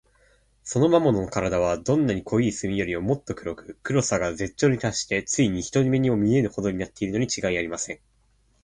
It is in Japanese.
その魔物のからだは、どんな濃い墨よりも、もっと黒く、黒さが絶頂にたっして、ついに人の目にも見えぬほどになっているのにちがいありません。